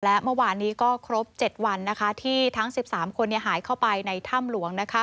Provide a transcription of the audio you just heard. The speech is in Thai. และเมื่อวานนี้ก็ครบ๗วันที่ทั้ง๑๓คนหายเข้าไปในถ้ำหลวง